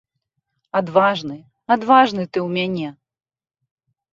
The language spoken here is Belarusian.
Адважны, адважны ты ў мяне.